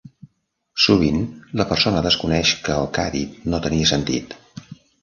Sovint, la persona desconeix que el que ha dit no tenia sentit.